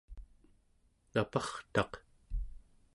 napartaq